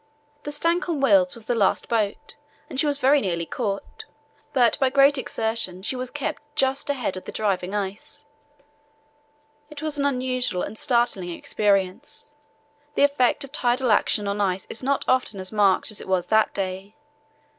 The Stancomb Wills was the last boat and she was very nearly caught, but by great exertion she was kept just ahead of the driving ice. It was an unusual and startling experience. The effect of tidal action on ice is not often as marked as it was that day.